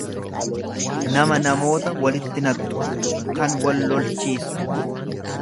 nama namoota walitti naqxu, tan wal lolchiistu.